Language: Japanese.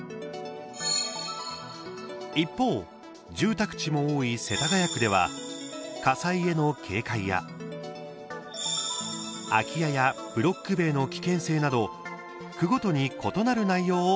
一方、住宅地も多い世田谷区では火災への警戒や空き家やブロック塀の危険性など区ごとに異なる内容を